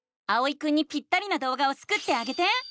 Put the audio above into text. あおいくんにぴったりなどうがをスクってあげて！